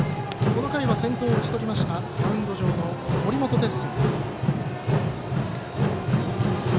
この回は先頭を打ち取りましたマウンド上の森本哲星。